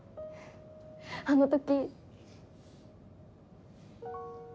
あの時。